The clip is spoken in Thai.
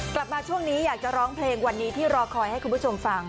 กลับมาช่วงนี้อยากจะร้องเพลงวันนี้ที่รอคอยให้คุณผู้ชมฟัง